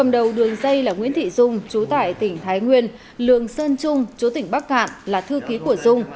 đầu đường dây là nguyễn thị dung chú tải tỉnh thái nguyên lương sơn trung chú tỉnh bắc cạn là thư ký của dung